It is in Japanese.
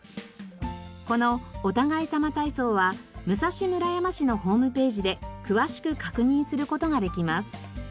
このお互いさま体操は武蔵村山市のホームページで詳しく確認する事ができます。